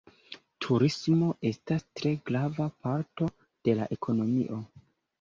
Turismo estas tre grava parto de la ekonomio.